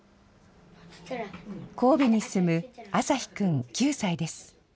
神戸に住むあさひ君９歳です。